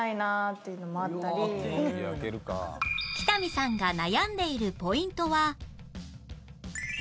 北見さんが悩んでいるポイントは